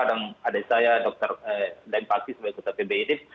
dan adik saya dr daim fakih sebagai pbi ini